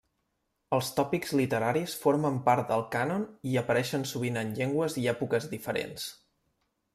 Els tòpics literaris formen part del cànon i apareixen sovint en llengües i èpoques diferents.